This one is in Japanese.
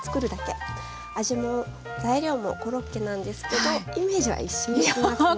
味も材料もコロッケなんですけどイメージは一新していますね。